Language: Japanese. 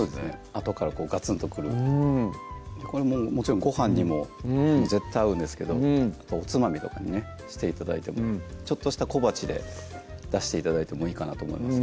あとからガツンとくるうんこれももちろんごはんにも絶対合うんですけどおつまみとかにねして頂いてもちょっとした小鉢で出して頂いてもいいかなと思います